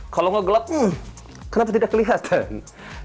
kalau nggak gelap hmm kenapa tidak kelihatan